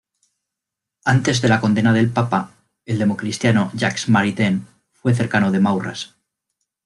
Antes de la condena del Papa, el democristiano Jacques Maritain fue cercano de Maurras.